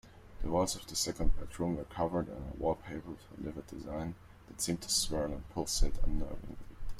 The walls of the second bedroom were covered in a wallpaper with a livid design that seemed to swirl and pulsate unnervingly.